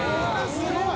すごい！